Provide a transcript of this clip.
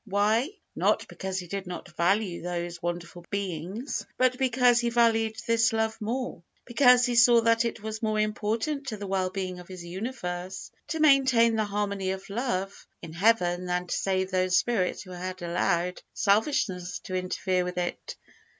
Why? Not because He did not value those wonderful beings, but because He valued this love more. Because He saw that it was more important to the well being of His universe to maintain the harmony of love in Heaven than to save those spirits who had allowed selfishness to interfere with it.